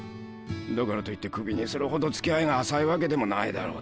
だからといってクビにするほどつきあいが浅いわけでもないだろう